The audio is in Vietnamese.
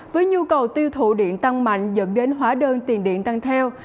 với nhu cầu tiêu thụ điện tăng mạnh dẫn đến hóa đơn tiền điện tăng theo